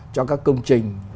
cho các công trình